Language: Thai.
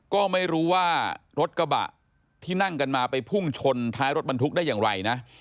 ก็ไม่รู้ว่ารถกระบะที่นั่งกันมาไปพุ่งชนท้ายรถบรรทุกได้อย่างไรนะ